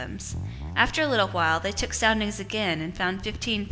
6 meters} After a little while, they took soundings again, and found fifteen fathoms.